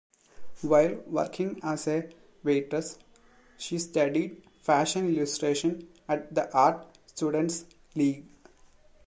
While working as a waitress, she studied fashion illustration at the Art Students League.